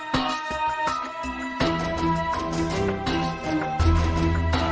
ก็ไม่น่าจะดังกึ่งนะ